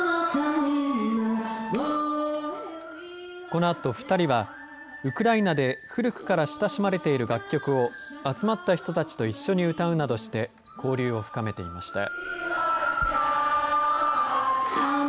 このあと２人はウクライナで古くから親しまれている楽曲を集まった人たちと一緒に歌うなどして交流を深めていました。